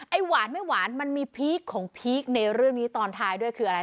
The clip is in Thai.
หวานไม่หวานมันมีพีคของพีคในเรื่องนี้ตอนท้ายด้วยคืออะไร